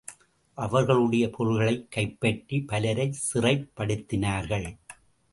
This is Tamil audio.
அவர்களுடைய பொருள்களைக் கைப்பற்றி பலரைச் சிறைப் படுத்தினார்கள்.